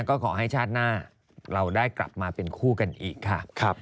ก็ขอให้ชาติหน้าเราได้กลับมาเป็นคู่กันอีกค่ะ